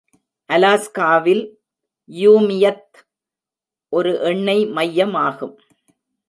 அலாஸ்காவில் யூமியத் ஒரு எண்ணெய் மையமாகும்.